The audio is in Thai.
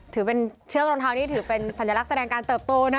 ถือเป็นเชือกรองเท้าที่ถือเป็นสัญลักษณ์แสดงการเติบโตนะ